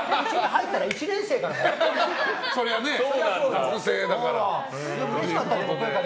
入ったら１年生からだったんですよ。